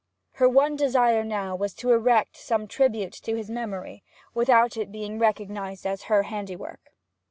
Her one desire now was to erect some tribute to his memory, without its being recognized as her handiwork.